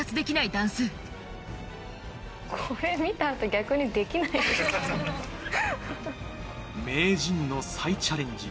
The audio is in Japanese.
段数名人の再チャレンジ